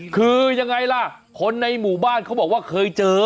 คือยังไงล่ะคนในหมู่บ้านเขาบอกว่าเคยเจอ